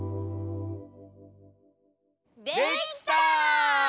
できた！